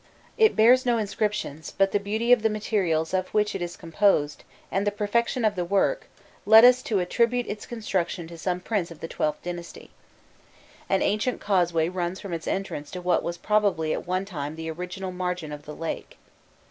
It bears no inscriptions, but the beauty of the materials of which it is composed, and the perfection of the work, lead us to attribute its construction to some prince of the XIIth dynasty. An ancient causeway runs from its entrance to what was probably at one time the original margin of the lake.